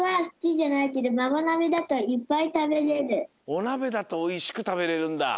おなべだとおいしくたべれるんだ。